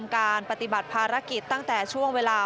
การปฏิบัติภารกิจตั้งแต่ช่วงเวลา